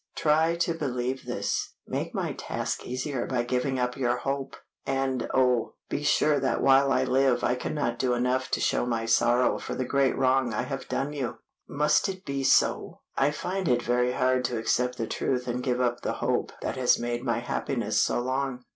Try to believe this, make my task easier by giving up your hope, and oh, be sure that while I live I cannot do enough to show my sorrow for the great wrong I have done you." "Must it be so? I find it very hard to accept the truth and give up the hope that has made my happiness so long.